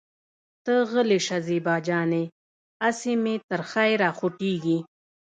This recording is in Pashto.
ته غلې شه زېبا جانې اسې مې تريخی راخوټکېږي.